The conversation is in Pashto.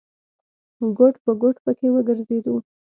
ګوټ په ګوټ پکې وګرځېدو.